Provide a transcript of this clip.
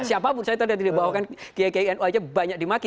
siapapun saya tadi dibawakan kayaknya banyak dimaki